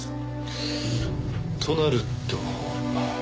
となると。